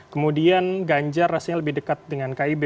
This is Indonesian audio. kemudian ganjar rasanya lebih dekat dengan kib